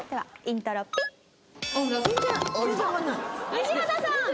西畑さん。